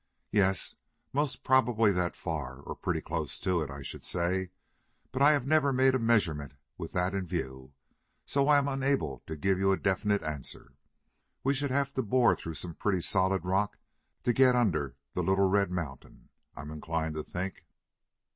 "Yes, most probably that far, or pretty close to it, I should say; but I have never made a measurement with that in view, so that I am unable to give you a definite answer. We should have to bore through some pretty solid rock to get under the little red mountain, I'm inclined to think."